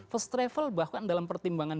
first travel bahkan dalam pertimbangan